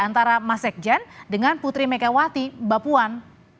antara mas sekjen dengan putri mikawati bapuan